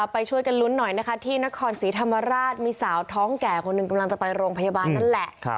ไปช่วยกันลุ้นหน่อยนะคะที่นครศรีธรรมราชมีสาวท้องแก่คนหนึ่งกำลังจะไปโรงพยาบาลนั่นแหละ